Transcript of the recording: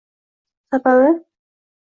Sababi?